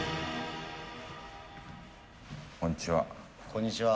こんにちは。